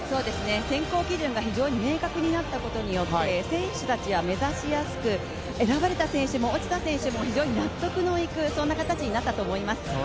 選考基準が非常に明確になったことによって選手たちが目指しやすく、選ばれた選手も落ちた選手も非常に納得のいく、そんな形になったと思います。